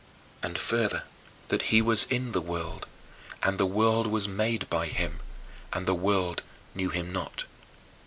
And further, that "he was in the world, and the world was made by him, and the world knew him not."